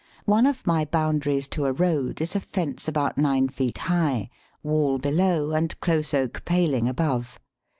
One of my boundaries to a road is a fence about nine feet high, wall below and close oak paling above.